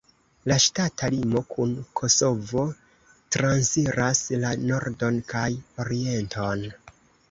La ŝtata limo kun Kosovo transiras la nordon kaj orienton.